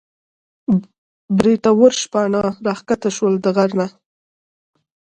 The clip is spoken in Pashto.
بریتور شپانه راکښته شو د غر نه